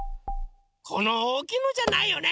このおおきいのじゃないよね。